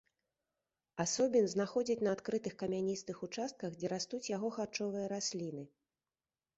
Асобін знаходзяць на адкрытых камяністых участках, дзе растуць яго харчовыя расліны.